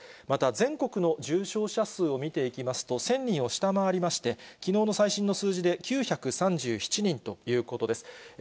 また全国の重症者数を見ていきますと、１０００人を下回りまして、きのうの最新の数字で９３７人ということです。